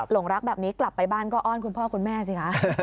หลงรักแบบนี้กลับไปบ้านก็อ้อนคุณพ่อคุณแม่สิคะ